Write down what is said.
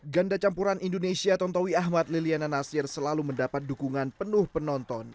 ganda campuran indonesia tontowi ahmad liliana nasir selalu mendapat dukungan penuh penonton